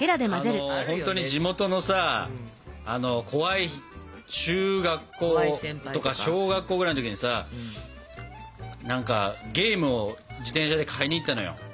ほんとに地元のさ怖い中学校とか小学校ぐらいの時にさゲームを自転車で買いに行ったのよ。